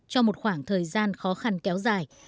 cho một khoảng thời gian khó khăn kéo dài